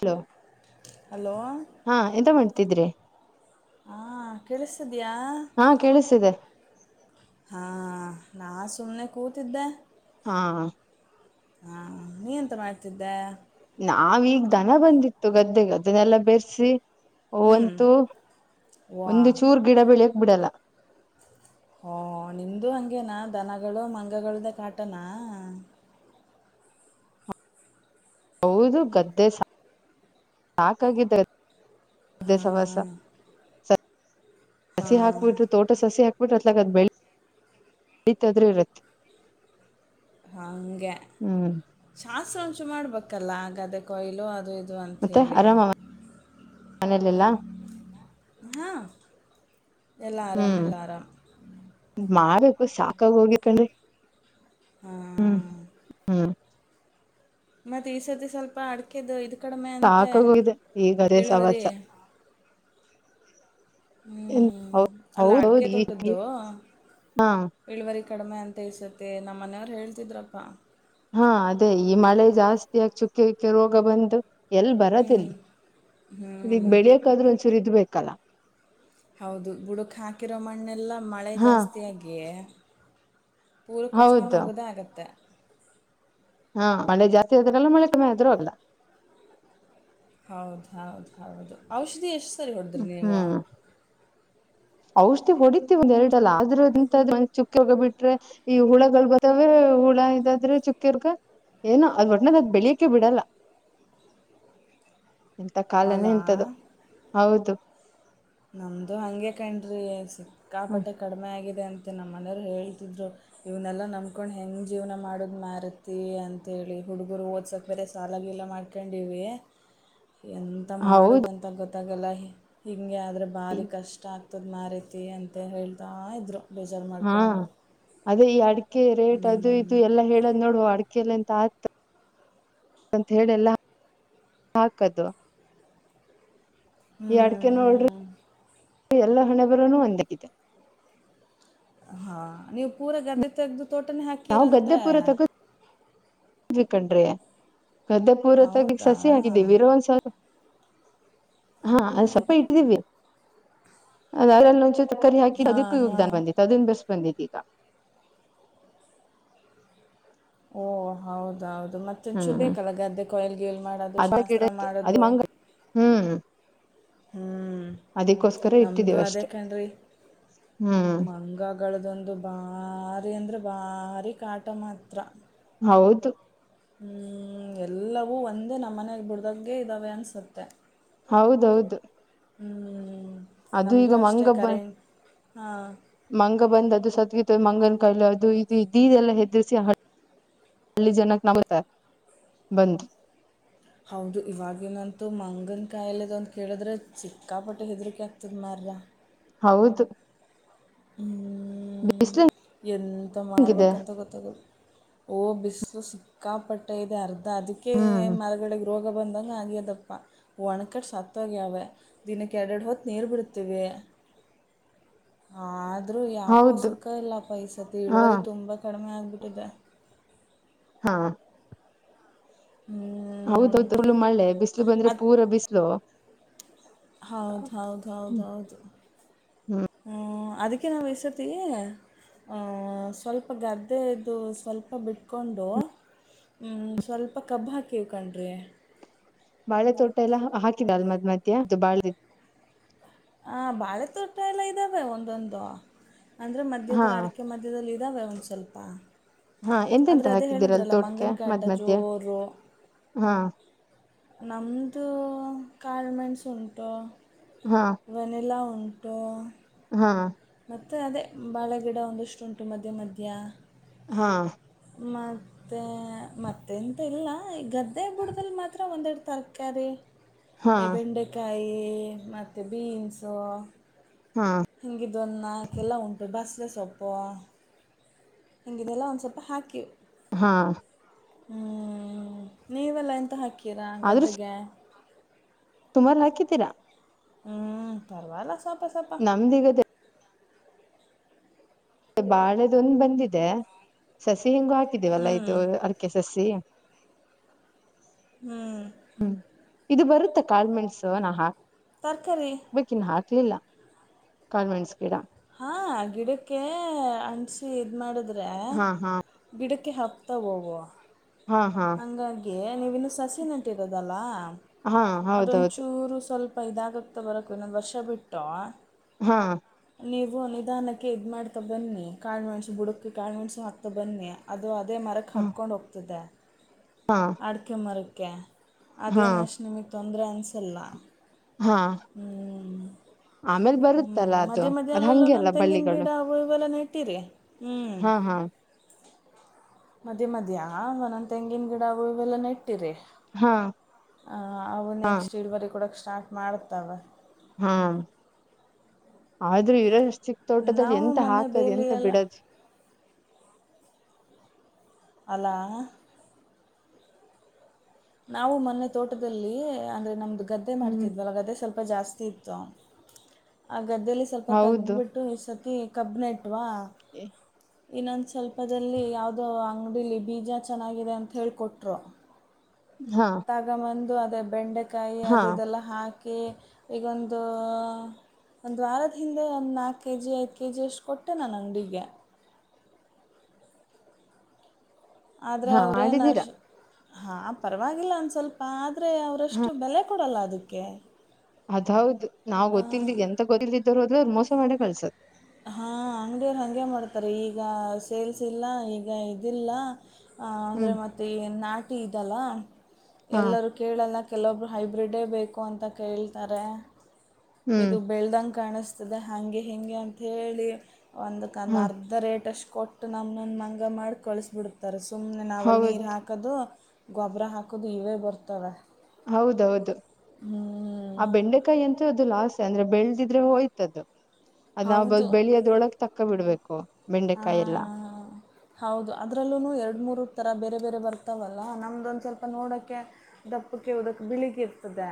Hello. ಹಾ ಎಂತ ಮಾಡ್ತಿದ್ರಿ. ಹಾ ಕೇಳುಸ್ತಿದ್ಯಾ. ಹಾ ಕೇಳಿಸ್ತಿದೆ ಹಾ ನಾ ಸುಮ್ನೆ ಕೂತಿದ್ದೆ. ಹಾ ಹಾ ನೀ ಎಂತ ಮಾಡ್ತಿದ್ದೆ. ನಾವೀಗ್ ದನ ಬಂದಿತ್ತು ಗದ್ದೆಗ್ ಅದನ್ನೆಲ್ಲ ಬೆರ್ಸಿ. ಹ್ಞೂ ಓವಂತೂ ವಾ ಒಂದು ಚೂರ್ ಗಿಡ ಬೆಳಿ ಬಿಡಲ್ಲ. ಹೊ ನಿಮ್ದು ಹಂಗೇನಾ ದನಗಳು ಮಂಗಗಳ್ದ ಕಾಟನಾ. ಹೌದು ಗದ್ದೆ ಸಾ ಸಾಕಾಗಿದ್ರೆ. ಇದೆ ಸಾವಾಸ ಹಾಂ ಸ ಸಸಿ ಹಾಂ ಹಾಕ್ಬುಟ್ರು ತೋಟ ಸಸಿ ಹಾಕ್ ಬಿಟ್ರ ಅತ್ಲಾಗ್ ಬೆಳ್ ಬೆಳಿತದ್ರೆ ಇರುತ್. ಹಂಗೆ ಚಸ ಚು ಮಾಡ್ಬೇಕಲ್ಲ ಗದ್ದೆ ಕೊಯ್ಲು ಅದು ಇದ್ ಅದು ಅಂತ ಮತ್ತೆ ಹೇಳಿ ಆರಾಮ ಮನೇಲೆಲ್ಲಾ ಹಾ ಎಲ್ಲ ಆರಾಮ್ ಹ್ಮ್ ಎಲ್ಲ ಆರಾಮ್ ಮಾಡ್ಬೇಕು ಸಾಕಾಗ ಹೋಗಿತೇಕಣ್ರಿ ಹ್ಮ್ ಹಾಂ ಹ್ಮ್ ಮತ್ತೆ ಈ ಸರ್ತಿ ಸ್ವಲ್ಪ ಅಡಕೆದು ಇದ ಸಾಕಾಗೂ ಇದೆ ಈಗ ಅದೇ ಸವಾಸ ಇಳುವರಿ ಹ್ಮ್ ಅಲ್ಲ ಅಡಿಕೆ ಹೌದೌದು ಈ ತೊಟದ್ದು ಹಾ ಇಳುವರೆ ಕಡಿಮೆ ಅಂತ ಇಸತ್ತೆ ನಮ್ಮ ಮನೆಯವ್ರು ಹೇಳ್ತಿದ್ರಪ್ಪಾ ಹಾ ಅದೇ ಈ ಮಳೆ ಜಾಸ್ತಿ ಆಗ ಚುಕ್ಕೆಗಿಕ್ಕೆ ರೋಗ ಬಂದು ಎಲ್ ಬರದ ಹ್ಮ್ ಯಲ್ಲಿ ಈಗ್ ಹ್ಮ್ ಬೆಳಿಯಕಾದ್ರೂ ಒಂದ್ಸೂರು ಇದ್ಬೇಕೇಕು ಕಲ ಹೌದು ಬುಡುಕ್ ಹಾಕಿರೋ ಮಣ್ಣೆಲ್ಲ ಮಳೆ ಹಾ ಜಾಸ್ತಿಯಾಗಿ ಪೂರ ಕೊಚ್ಕೊಂಡು ಹೌದು ಹೋಗೋದೇ ಆಗತ್ತೆ ಹಾ ಮಳೆ ಜಾಸ್ತಿ ಆದ್ರಲ್ಲ ಮಳೆ ಕಮ್ಮಿ ಆದ್ರೂ ಅಲ್ಲ ಹೌದ್ ಹೌದ ಹೌದು ಔಷಧಿ ಎಷ್ಟು ಸರಿ ಹೊಡದ್ರಿ ನೀವು ಹ್ಮ್ ಔಷಧಿ ಹೊಡತಿವಿ ಒಂದ ಎರಡಲ್ಲ ಆದ್ರಂತ ಒಂದ್ ಚುಕ್ಕಗ ಬಿಟ್ರೆ ಈ ಹುಳಗಳು ಬರ್ತಾವ ಹುಳ ಇದಾದ್ರೆ ಚುಕ್ಕ್ಯವರ್ಗ ಏನೋ ಅದ್ ಒಟ್ಟನದ ಅದ್ ಬೆಳಿಯಕೆ ಬಿಡಲ್ಲ ಇಂತ ಕಾಲನೇ ಅಲಾ ಇಂತ್ದ ಹೌದು ನಮ್ದು ಹಗೆ ಕಣ್ರಿಸ ಹ್ಮ್ ಕಾಪಾಟ್ಟ ಕಡಿಮೆ ಆಗಿದೆ ಅಂತ ಮತ್ತು ನಮ್ಮನೆಯವರು ಹೇಳ್ತಿದ್ರು ಇವನ್ನೆಲ್ಲ ನಂಬಕೊಂಡು ಹೆಂಗೆ ಜೀವನ ಮಾಡದು ಮಾರತಿ ಅಂತೇಳಿ ಹುಡುಗರು ಓದ್ಸೋಕ್ಕೆ ಬೇರೆ ಸಾಲಾಗಿಲ್ಲ ಮಾಡ್ಕೊಂಡಿವ ಎಂತ ಹೌದು ಮಾಡುದಂತ ಗೊತ್ತ ಾಗಲ್ಲಿ ಹಿಂಗೆ ಅಂದರೆೆ ಭಾರಿ ಕಷ್ಟ ಆಗ್ತದೆ ತದ ಮಾರೈತಿ ಅಂತ ಹೇಳ್ತಾ ಇದ್ರು ಬೇಜಾರ ಹಾ ಮಾಡಿಕೊಂಡು ಅದೇ ಈ ಅ ಕೆ ರೇಟ್ ಹ್ಞೂ ಅದು ಇದು ಎಲ್ಲಾ ಹೇಳದ್ ನೋಡುವ ಅಡ್ ಅಕಲ್ಲಂತ ಆತ ಅಂತ ಹೇಳಿಲ್ಲ ಹಾಕದು ಹ್ಞೂ ಎಡ್ಕ ಹ್ಞೂ ನೋಡ್ರಿ ಎಲ್ಲ ಹೊಣೆಬರನೂ ಅಂದಕ್ಕಿದೆ ಹಾ ನೀವು್ ಪೂರಾ ಗದ್ದೆ ತೆಗೆದು ತೋಟನ ಹಾಕಿರಂತೆ ವಿ ಕಣ್ರೀ ಗದ್ದೆ ಪುರದಗ್ ಹೌದಾ ಸಸಿ ಹಾಕಿದ್ದೇವಿರೋ ಒಂದ್ಸಲ ಹಾ ಅದ್ ಸ್ವಪ ಇಟ್ಟಿದೀವಿ ಅದರ್ಲ್ಲೊಂಚು ತಕ್ಕರಿ ಹಾಕಿ ಹಾಂ ಅದುಕು ಯುಗ್ ದಾನ್ ಹಾಂ ಬಂದಿತ್ ಅದುನ್ ಬೆರ್ಸ್ ಬಂದಿದ್ ಇಗ. ಓಹ ಹೌದೌದ್ ದು ಮತ್ತಂಚೂರ್ ಹ್ಮ್ ಬೇಕಲ್ಲ ಗದ್ದೆ ಕೊಯ್ಲ್ ಗೀಯ್ಲ್ ಮಾಡೋದು ಅದ ಗಿಡ ಶಾಸ್ತ್ರ ಇತ್ತು ಅದ ಮಾಡೋದು. ಮಂಗ ಹ್ಮ್ ಹ್ಮ್ ಹ್ಮ್ ಅದಕ್ಕೋಸ್ಕರ ನಮ್ದು ಇಟ್ಟಿದ್ದೀವಿ ಅದೇ ಅಷ್ಟೆ ಕಣ್ರಿ ಹ್ಮ್ ಮಂಗಗ್ಳದೊಂದು ಬಾರಿ ಅಂದ್ರೆ ಬಾರಿ ಕಾಟ ಮಾತ್ರ. ಹೌದು. ಹ್ಮ ಎಲ್ಲವೂ ಒಂದೇ ನಮ್ಮನೇಲಿ ಬಿಡ್ದಾಗೆ ಇದ್ದಾವೆ ಅನ್ಸುತ್ತೆ. ಹೌದೌದು. ಹ್ಮ್ ಅದು ಈಗ ಮಂಗ ಬ ಹಾಂ ಮಂಗ ಬಂದ ಅದು ಸತ್ ಗಿತ್ ತ ಮಂಗನ್ಕಾಯ್ಲು ಅದು ಇದು ಇದೀದೆಲ್ಲ ಹೆದ್ರಿಸಿ ಹಳ್ಳಿ ಜನಕ್ ನಮ್ಬ್ ಬಂದ್. ಹೌದು ಇವಾಗಿನಂತೂ ಮಂಗನ್ ಕಾಯ್ಲೆದೊಂದ್ ಕೇಳುದ್ರೆ ಸಿಕ್ಕಾಪಟ್ಟೆ ಹೆದ್ರಿಕೆ ಆಗ್ತದ್ ಮಾರ್ರೆ. ಹೌದು. ಹ್ಮ್ ಹ್ಮ್ ಬಿಸ್ಲು ಎಂಥ ಹೆಂಗಿದೆ ಮಾಡ್ಬೇಕಂತ ಗೊತ್ತಾಗಲ್. ಓ ಬಿಸ್ಲು ಸಿಕ್ಕಾಪಟ್ಟ ಇದೆ ಅರ್ ಡ ಅದಕ್ಕೆ ಹ್ಮ್ ಮರಗಳ್ ರೋಗ ಬಂದಂಗೆ ಆಗ್ಯದಪ್ಪ ಒಣಕಟ್ಟ ಸತ್ತೋಗ್ಯಾವೆ ದಿನಕ್ಕೆ ಎಡೆರಡು ಹೊತ್ತು ನೀರು ಬಿಡ್ತೀವಿ. ಹಾ. ಆದ್ರರು ಯಾಕೋ ಹೌದು ಸುಖ ಇಲ್ಲಪ್ಪ ಈ ಸತಿ ಹಾ ಇಳುವರಿ ತುಂಬಾ ಕಡಿಮೆ ಆ ಬಿಟದೆ. ಹಾ. ಹ್ಞೂ ಹೌದು ದುಳು ಮಳೆ ಬಿಸ್ಲು ಬಂದ್ರೆ ಪೂರ ಬಿಸ್ಲು ಹೌದ ಹೌದ್ ಹೌದ ಹ್ಮ್ ಹೌದು ಹ್ಮ ಅದಕ್ಕೆ ನಾವು ಎಸತ್ತೀವಿ ಸ್ವಲ್ಪ ಗದ್ದೆದು ಸ್ವಲ್ಪ ಬಿಟ್ಟು ಕೊಂಡು ಹ್ಮ್ ಸ್ವಲ್ಪ ಕಬ್ಬ ಹಾಕಿವಿ ಕಣ್ರಿ. ಬಾಳೆ ತೋಟ ಎಲ್ಲಾ ಹಾಕಿಡಲ್ ಮದ್ ಮಧ್ಯ ಅದು ಬಾಳ್ದ ಹ ಭಾಳೆ ತೋಟ ಎಲ್ಲ ಇದ್ದಾವೆ ಒಂದೊಂದು. ಅಂದರೆ ಹಾ ಮಧ್ಯದಲ್ಲಿ ಅಡಿಕೆ ಮಧ್ಯದಲ್ಲಿ ಇದ್ದಾವೆ ಒಂದು ಸ್ವಲ್ಪ. ಪ್ಪ ಹಾ ಎಂತೆಂತ ಹಾಕಿದ್ದೀರಲ್ ತೋಟಕ್ಕೆ ಕಾಟ ಮದ್ ಮಧ್ಯೆ - ಹಾ ನಮ್ದು ಕಾಲ್ಮೆನ್ಸ ಉಂಟೋ ಹಾ ವನಿಲಾ ಉಂಟು ಹಾ ಮತ್ತು ಅದೇ ಬಾಳೆ ಗಿಡ ಒಂದಷ್ಟು ಉಂಟು ಮಧ್ಯ ಮಧ್ಯ ಹಾ ಮತ್ತೆ ಮತ್ತೆಂತ ಇಲ್ಲ ಈ ಗದ್ದೆ ಬುಡದಲ್ಲಿ ಮಾತ್ರ ಒಂದೆರಡು ತರಕಾರಿ ಹಾ ಈ ಬೆಂಡೆಕಾಯಿ ಮತ್ತ ಬೀನ್ಸ ಹಾ ಹಿಂಗಿದಂದು ನಾಕೆಲ್ಲಾ ಉಂಟು ಬಾಸ್ ಇಲ್ಲ ಸೊಪ್ಪು ಹಗಿದೆಲ್ಲ ಒಂದು ಸ್ವಲ್ಪ ಹಾಕಿ ಹಾ ಹ್ಮ್ ನೀವೆಲ್ಲ ಎಂತ ಹಾಕಿ ಕಿರ ಗದಗೆ ತುಮಾರು ಹಾಕಿದ್ದೀರಾ. ಹ್ಮ್ ಪರವಾಗಿಲ್ಲ ಸ ನಮ್ದಿಗದೆ. ಬಾಳದೊಂದು ಬಂದಿದೆ ಸಸ್ಯ. ತೆಂಗು ಹ್ಞೂ ಹಾಕಿದಿವವಲ್ಲ ಇದು ಅಡಿಕೆ ಸಸಿ. ಹ್ಮ್ ಹ್ಮ್ ಇದು ಬರುತ್ತೆ ಕಾಳ ಮೆಣಸು ನವ್. ತರಕಾರಿ ಲಿಲ್ಲ ಕಾನ್ವೆಂಟ್ಸ್ ಗಿಡ ಹಾ ಗಿಡಕ್ಕೆ ಅಂಟಿಸಿ ಇದ್ ಮಾಡದ ಹ ಹಾ ಹಾ ಗಿಡಕ್ ಎೆ ಹಪ್ತಾ ಅವು ಹಾ ಹಾ ನೀವ ಇನ್ನು ಸಸಿ ನಂಟಿ ಇರೋದಲ್ಲಾ ಹಾ ಹೌದೌದು ಇದಾಗತಾ ಬರಕ್ ಇನ್ನೊಂದಂದು ವರ್ಷ ಬಿಟ್ಟು ಹಾ ನೀವು ನಿಧಾನಕ್ಕೆ ಇದು ಮಾಡ್ತಾ ಬನ್ನಿ ಕಾಳ್ಮ ಮೆಣಸು ಬುಡಕ್ಕೆಿ ಕಾಳ್ಮ ಮೆಣಸು ಹಾಕ್ತಾ ಬನ್ನಿ ಅದು ಅದು ಅದೇ ಮರಕ್ಕೆ ಹಬ್ಕೊಂಡು ಹೋಗ್ತದೆ ಹಾ ಅಡಕೆ ಮರ ಕ್ಕೆ ಅದೇ ಹಾ ನಶ ನಿಮಿತ್ತ ಅಂದೇ ಅನ್ಸಲ ಹಾ. ಆಮೇಲ್ ಬರುತ್ತಲ್ಲ, ಅದು? ಮದ್ಯೆ ಮದ್ಯ ಅದ್ ಅಲ್ಲೆಲ್ಲ ಹಂಗೆ ನಾನ ಅಲ್ಲ ತೆಂಗಿನ ಬಳ್ಳಿಗಳು ಗಿಡ, ಅವು ಇವೆಲ್ಲ ನೆಟ್ ಹತಿೀರೆ [unintelligible] ಹ್ಮ್ ಹಾ ಹಾ ಮಧ್ಯ ಮಧ್ಯ ಒಂದೊಂದ್ ತೆಂಗಿನ ಗಿಡ, ಅವು ಇವೆಲ್ಲಾ ನೆಟ್ ಇಟ್ಟರಿ. ಹಾ ಆ ಅವು ಹಾ ನೆಕ್ಸ್ಟ್ ಇಳುವರಿ ಕೊಡಾಕ್ [unintelligible] ಸ್ಟಾರ್ಟ್ ಮಾಡ್ತವ. ಹಾ. ಆದ್ರೂ ಇವರಷ್ಟ [unintelligible] ಚಿಕ್ ತೋಟದಲ್ಲಿ ನಾವು ಎಂತ ಮೊನ್ನೆ ಹಾಕದ್, ಬೇಲಿ ಎಂತ ಎಲ್ಲ ಬಿಡದ್? ಅಲಾ ನಾವು ಮೊನ್ನೆ ತೋಟದಲ್ಲಿ, ಅಂದ್ರೆ ನಮ್ದು ಗದ್ದೆ ಹ್ಮ್ ಮಾಡತಿದ್ವಲ್ಲ? ಗದ್ದೆ ಸ್ವಲ್ಪ ಜಾಸ್ತಿ [unintelligible] ಇತ್ತ [unintelligible] ಆ ಗದ್ದೆಲೀ ಸ್ವಲ್ಪ ಹೌದು ತಗಧ್ಬಿಟ್ಟು, ಈ ಸತಿ ಕಬ್ನಟ್ ವಾಹ್ ಇನ್ನೊಂದು ಸ್ವಲ್ಪದಲ್ಲಿ ಯಾವುದೋ ಅಂಗಡಿಲಿ ಬೀಜ ಚೆನ್ನಾಗಿದೆ, ಅಂತ ಹೇಳಿಕೊಟ್ರು ಹಾ ತಗಂಬಂದು ಅ [unintelligible] ಬೆ ಬೆಂಡೆ ಕಾಯಿ ಹಾ ಅದು ಇದೆಲ್ಲ ಹಾಕಿ [unintelligible] ಕೆ [unintelligible] ಈಗೊಂದು, ಒಂದು ವಾರದ ಹಿಂದೆ ಒಂದು ನಾಲ್ಕ್ ಕೆ ಜಿ, ಐದ್ ಕೆ ಜಿ ಅಷ್ಟು ಕೊಟ್ಟೆ ನಾನು ಅಂಗಡಿಗೆ. ಆದ್ರೆ, ಹಾ ಅವರೇನ್ ಮಾಡಿದೀರಾ ಅಶ್ [unintelligible] ಹಾ, ಪರವಾಗಿಲ್ಲ ಒಂದು ಸ್ವಲ್ಪ ಆದ್ [unintelligible] ಆದ್ರೆ, ಅವ್ರಷ್ಟು ಬೆಲೆ ಕೊಡಲ್ಲ ಅದು [unintelligible] ದಕ್ಕೆೆ [unintelligible] ಅದ್ ಹೌದು. ನಾವ್ ಗೊತ್ತಿಲ್ದ ಎಂತ ಗೊತ್ತಿಲ್ದಿದ್ ರುದ್ [unintelligible] ಅವರ್ ಮೋಸ ಮಾಡೆ ಕಳ್ಸದ. ಹಾಂ ಅಂಗಡಿಯರು ಹಂಗೆ ಮಾಡ್ತಾರೆ. ಈಗ ಸೇಲ್ಸ್ ಇಲ್ಲ, ಈಗ ಇದಿಲ್ಲ ಅ ಅಂದ್ರೆ ಹ್ಮ್ ಮತ್ತೆ ಈ ನಾಟಿ ದಲ್ಲ [unintelligible] ಹಾ ಎಲ್ಲರೂ ಕೇಳಲ್ಲ, ಕೆಲವೊಬ್ರು ಹೈಬ್ರಿಡ್ಡೆ ಬೇಕು ಅಂತ ಕೇಳ್ತಾರೆ. ಹ್ಮ್ ಇದು ಬೆಳದಂಗ್ [unintelligible] ಕಾಣಿಸ್ತದೆ, ಹಾಂಗೆ ಹೀಂಗೆ ಅಂತ [unintelligible] ಹೇಳಿ ಒಂದಕ್ಕೆಂದು ಹಾ ಅರ್ಧ ರೇಟಷ್ಟು ಕೊಟ್ಟು ನಮನ ಹಂಗ ಮಾಡಿ ಕಳಸ್ಬಿಡ್ತಾರೆ ಸುಮ್ಮ್ನೆ ನಾವಲ್ಲಿ ಹೌದ್ ನೀರು ಹಾಕೋದು ಗೊಬ್ಬರ ಹಾಕೋದು ಇವೇ ಬರ್ತವೆ ಹೌದೌದು ಹ್ಞೂ ಆ ಬೆಂಡೆಕಾಯಿ ಅಂತೆ ಅದು ಲಾಸ್ಟ್ ಅಂದ್ರೆ ಬೆಳದಿದ್ರೆ ಹೋಯ್ತದು ಅದ ನಾವ್ ಬೆಳಿ ಅದ್ರೊಳಗ್ ತಕ್ ಕೈ ಬಿಡ್ಬೇಕು ಹ ಬೆಂಡೆಕಾಯಿ ಎಲ್ಲ ಹೌದು ಅದ್ರಲ್ಲೂ ಎರಡ ಎರಡು ಮೂರು ತರ ಬೇರೆ ಬೇರೆ ಬರ್ತಾವಲ್ಲ ನಮ್ದೊಂದು ಸ್ವಲ್ಪ ನೋಡೋಕ್ಕೆ ದಪ್ಪಕ್ಕೆ ಉದಕ್ಕೆ ಬಿಳಿಗ ಇರ್ತದೆ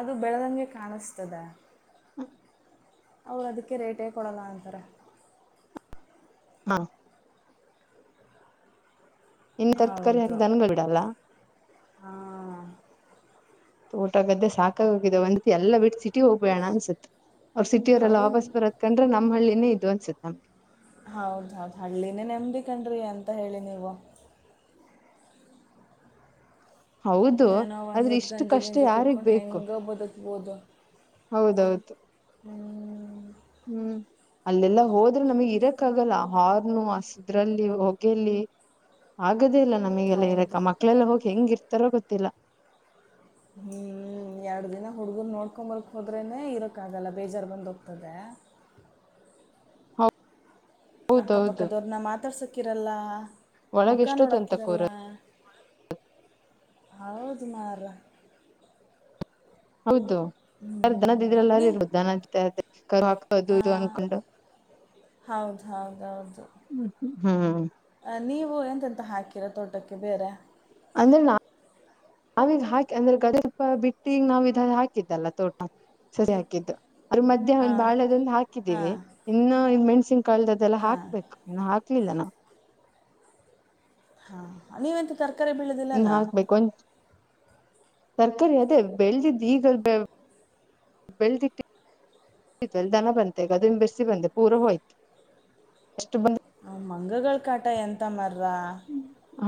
ಅದು ಬೆಳೆದಂಗೆ ಕಾಣಿಸ್ತದೆ ಹ್ಮ [inaudible] ಅವ್ರು ಅದಕ್ಕೆ ರೇಟೇ ಕೊಡಲ್ಲ ಅಂತಾರೆ ಹಾ [inaudible] ಹೌದು [unintelligible] ಹಾಂ ತೋಟಗದ್ದೆ ಸಾಕಾಗ ಹೋಗಿದ್ದ ಒಂದ ಎಲ್ಲ ಬಿಟ್ಟ ಸಿಟಿ ಹೋಗ್ಬೇಣ ಅನ್ಸುತ್ತು ಅವರ ಸಿಟಿಯವರೆಲ್ಲ ಹೌದು ವಾಪಸ್ ಬರತ್ ನಮ್ಮಲ್ಲಿ ಇಲ್ಲಿ [inaudible] ಹೌದ್ ಹೌದು ಹಳ್ಳಿನೇ ನೆಮದಿಕಣ್ರಿ ಅಂತ ಹೇಳಿ ನೀವು ಹೌದು ಏನೋ ಒಂದು ಆದ್ರ ಹೊತ್ತು ಇಷ್ಟು ಗಂಜಿ ಕಷ್ಟ ಗಿಂಜಿ ಯಾರಿಗ್ ಕುಡ್ಕೊಂಡು ಬೇಕು ಹೆಂಗೋ ಬದುಕ್ಬೋದು ಹೌದೌದು [unintelligible] ಹ ಹ್ಮ್ ಅಲ್ಲೆಲ್ಲಾ ಹೋದ್ರೆ ನಮಗ್ ಇರಕ್ ಆಗಲ್ಲ ಹಾರ್ನು ಹಸಿದ್ರಲ್ಲಿ ಹೊಗೆಲ್ಲಿ ಹಾಗ ಹೌದು ಇಲ್ಲ ನಮಗೆಲ್ಲ ಇರಾಕ್ ಹೌದು ಮಕ್ಲೆಲ್ಲ ಹೋಗಿ ಹೆಂಗಿ ಇರ್ತರ ತರ ಗೊತ್ತಿಲ್ಲ ಹ್ಞೂ ಎರಡು ದಿನ ಹುಡ್ಗರು ನೋಡ್ಕಂಬರಕ್ ಹೋದ್ರೆೇ ಇರೋಕ್ಕಾಗಲ್ಲ ಬೇಜಾರು ಬಂದು ಹೋಗ್ತದೆ ಹೌದೌದು ಅಕ್ಕಪಕ್ಕದವ್ರನ್ನ ಮಾತಾಡ್ಸಕ್ ಕಿರಲ್ಲ ಒಳಗೆ ಮುಖಾ ಎಷ್ಟೋ ತಂತ ನೋಡಾಕಿರಲ್ಲ ಕೂರ ಹೌದ ನರ ಹೌದು ದನದಿದ್ರಲ್ಲಾರ ನೀ ಇ ದನ [inaudible] ಹಾದು ಇದು ಅನ್ಕೊಂಡು ಹೌದು ಹ್ಮ ಹ್ಮ ಹ್ಮ್ ಅ ನೀವು ಎಂತೆಂತ ಹಾಕಿರ ತೋಟಕ್ಕೆ ಬೇರೆ ಅಂದ್ರೆ ನಾ ನಾವೀಗ ಹಾಕಿ ಅಂದ್ರೆ ಗದ ಸ್ವಲ್ಪ ಬಿಟ್ಟಿಗ ನಾವ ಇದ ಹಾಕಿದ್ದಲ್ಲ ತೋಟ ಸರಿ ಹಾಕಿದ್ದು ಅವ್ರ ಮಧ್ಯ್ಯಾಹ ಒಂದ್ ಹಾಂ ಬಾಳದೊಂದು ಹಾಕಿದ್ದೀವಿ ಹಾಂ ಇನ್ನು ಮೆಣಸ ಕಳದ್ದದೆಲ್ಲ ಹಾಂ ಹಾಕ್ಬೇಕು ಇಲ್ಲ ನ ಹಾ ನೀವೆಂತ ತರಕ ಸಕ್ಕರೆ ಬೀಳುದಿಲ್ಲನಾ ತರ್ಕಾರಿ ಅದೇ ಬೆಳೆದಿದ್ದು ಈಗ ಬೆಳ್ದಿಟ್ ದನ ಬಂತೆ ಈಗ ಅದ ಬೆಸಿ ಬಂದೆ ಪೂರ ಹೋಯ್ತು ಮಂಗಗಳ ಕಾಟ ಎಂತ ಮರ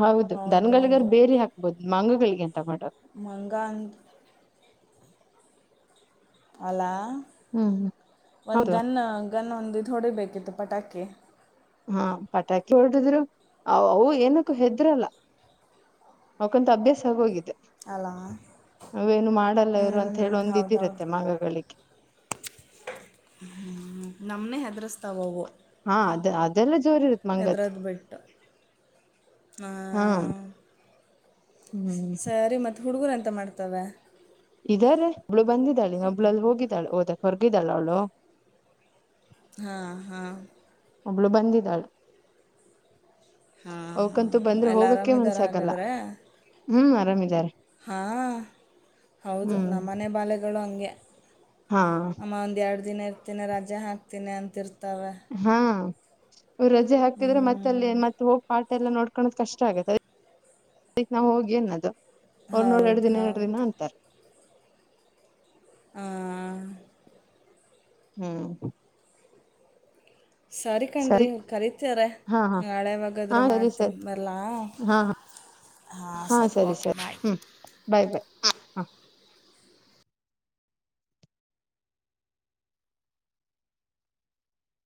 ಹೌದು ದನಗಳಿಗರ್ ಬೇರಿ ಹಾಕ್ಬೋದು ಮಂಗ ಗಳ್ಗೆ ನ್ ಮಂಗನ್ಡ್ ಅಲಾ ಹ್ಮ್ ಹ್ಮ್ ಹೌದು ಗನ್ ಒಂದಿದ್ ಹೊಡಿಬೇಕಿತ್ತು ಪಟಾಕಿ ಹಾ ಪಟಾಕಿ ಹೊಡಿದ್ರು ಅವ್-ಅವು ಏನಕ್ಕೂ ಹೆದ್ರಲ್ಲ ಅವ್ಕಂತು ಅಭ್ಯಾಸ ಆಗೋಗಿದ್ದೆ ಅಲ್ಲ ಅವೇನು ಮಾಡಲ್ಲ ಹ್ಞೂ ಇವ್ರು ಹ್ಞೂ ಅಂತ್ಹೇಳ್ ಒಂದಿದಿರತ್ತೆ ಮಂಗಗಳಿಗೆ ಹ್ಮ್ ನಮ್ನೆ ಹೆದ್ರಿಸ್ತಾವವು ಹಾ ಅದ್ ಅದೆಲ್ಲ ಜೋರ್ ಇರುತ್ ಮಂಗತ್ ಹೆದ್ರದ್ಬಿಟ್ ಆಆ ಹಾ ಹ್ಮ್ ಸ್-ಸರಿ ಮತ್ ಹುಡ್ಗುರೆಂತ ಮಾಡ್ತವೆ ಇದಾರೆ ಒಬ್ಳು ಬಂದಿದ್ದಾಳಿನ್ನೊಬ್ಳು ಹೋಗಿದ್ದಾಳ್ ಓದ ಹೊರ್ಗಿದ್ದಾಳವ್ಳು ಹಾ ಹಾ ಒಬ್ಳು ಬಂದಿಳೆ ಹಾ ಹಾ ಎಲ್ಲ ಆರಾಮಿದ್ದಾರ್ ಹಾಗಾದ್ರೆ ರಾಮಿದಾರೆ ಹಾ ಹೌದು ಹ್ಮ್ ನಮ್ಮನೆ ಬಾಲೆಗಳು ಅಂಗೆ ಹಾ ಅಮ ಒಂದ್ಯಾರ್ಡ್ ದಿನ ಇರ್ತಿನಿ ರಜ ಹಾಕ್ತಿನಿ ಅಂತಿರ್ ಹಾ ವ್ ರಜೆ ಹಾಕ್ತಿದ್ರೆ ಮತ್ತಲ್ಲಿ ಹ್ಞೂ ಏ ಮತ್ ಹೋಗ್ ಪಾ ನೋಡ್ಕಣದ್ ಕಷ್ಟ ಆಗೆತ್ ಅದ್--ಅದಿಕ್ ನವ್ಹ್ಯೋಗಿ ಅನ್ನದು ಅವರ್ ನೋಡ್ ಹೌದು ಎರ್ಡದಿನ ಎರ್ಡದಿನ ಹೌದು ಅಂತಾರ್ ಆ ಹ್ಮ್ ಸರಿ ಕಣ್ರಿ ಕರೀತಿ-ಯರೆ ಹಾ ಹಾ ಹಾ ನಾಳೆಯವಗಾದ್ರೂ ಸರಿ ಸರಿ ಮಾಡ್ತೀನಿ ಬರ್ಲಾ ಹಾ ಹಾ ಸರಿ ಓಕ್ ಬಾಯ್ ಬಾಯ್ ಬಾಯ್.